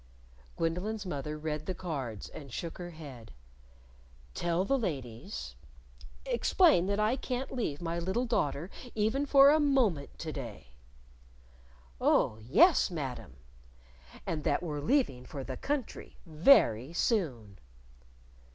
Gwendolyn's mother read the cards, and shook her head. "Tell the ladies explain that I can't leave my little daughter even for a moment to day " "Oh, yes, Madam." "And that we're leaving for the country very soon."